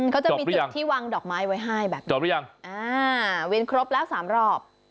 เขาจะมีจุดที่วางดอกไม้ไว้ให้แบบนี้จบหรือยังอ่าเวียนครบแล้วสามรอบ